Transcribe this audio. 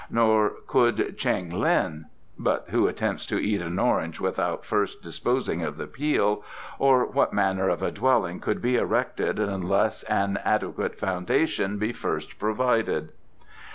Nor would Cheng Lin but who attempts to eat an orange without first disposing of the peel, or what manner of a dwelling could be erected unless an adequate foundation be first provided?